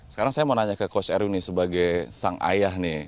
sekarang saya mau nanya ke coach erw nih sebagai sang ayah nih